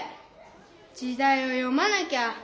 時だいを読まなきゃ。